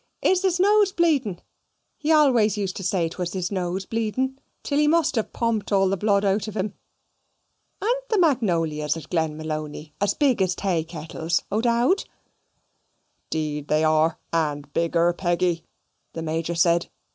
"Is it his nose bleedn? He always used to say 'twas his nose bleedn, till he must have pomped all the blood out of 'um. An't the magnolias at Glenmalony as big as taykettles, O'Dowd?" "'Deed then they are, and bigger, Peggy," the Major said.